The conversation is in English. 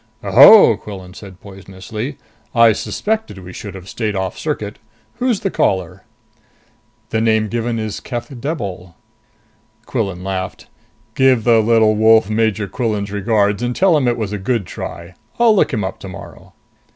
"Oho!" Quillan said poisonously. "I suspected we should have stayed off circuit! Who's the caller?" "The name given is Keth Deboll." Quillan laughed. "Give the little wolf Major Quillan's regards and tell him it was a good try. I'll look him up tomorrow."